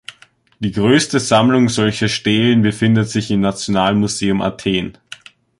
Die größte Sammlung solcher Stelen befindet sich im Nationalmuseum Athen.